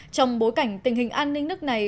trong bối cảnh tình hình an ninh nước này